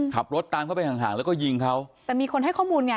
ขับรถตามเข้าไปห่างห่างแล้วก็ยิงเขาแต่มีคนให้ข้อมูลไง